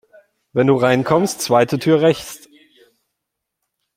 Wenn du reinkommst, zweite Tür rechts.